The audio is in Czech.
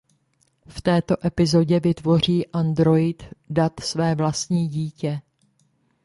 V této epizodě vytvoří android Dat své vlastní dítě.